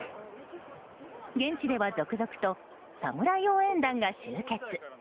現地では続々と侍応援団が集結。